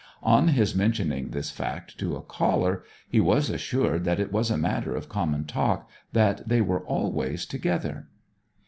On his mentioning this fact to a caller he was assured that it was a matter of common talk that they were always together.